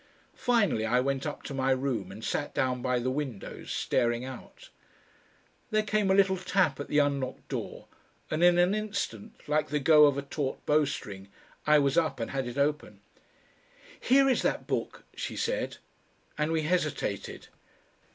Finally I went up to my room and sat down by the windows, staring out. There came a little tap at the unlocked door and in an instant, like the go of a taut bowstring, I was up and had it open. "Here is that book," she said, and we hesitated.